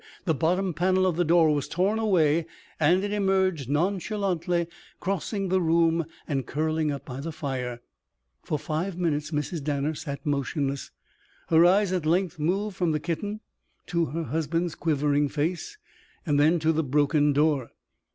The bottom panel of the door was torn away and it emerged nonchalantly, crossing the room and curling up by the fire. For five minutes Mrs. Danner sat motionless. Her eyes at length moved from the kitten to her husband's quivering face and then to the broken door.